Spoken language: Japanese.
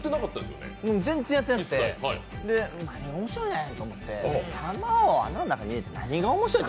全然やってなくて、何が面白いねんって思って球をあんな穴に入れて何が面白いん？